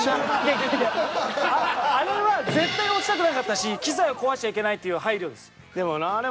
あれは絶対落ちたくなかったし機材を壊しちゃいけないっていう配慮です。